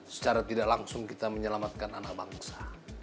secara tidak langsung kita menyelamatkan anak bangsa